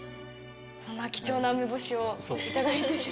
そんな貴重な梅干しを頂いてしまって。